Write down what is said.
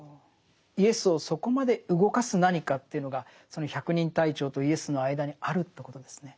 イエスをそこまで動かす何かっていうのがその百人隊長とイエスの間にあるということですね。